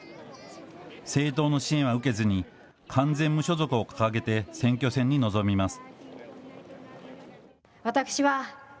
政党の支援は受けずに完全無所属を掲げて選挙戦に臨みます。